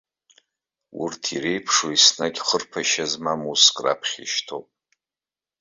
Урҭ иреиԥшу еснагь хырԥашьа змам уск раԥхьа ишьҭоуп.